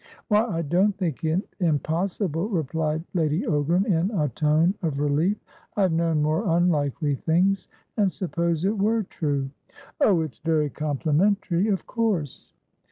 "Why, I don't think it impossible," replied Lady Ogram, in a tone of relief. "I have known more unlikely things. And suppose it were true?" "Oh, it's very complimentary, of course."